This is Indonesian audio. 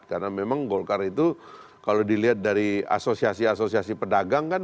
karena memang golkar itu kalau dilihat dari asosiasi asosiasi pedagang kan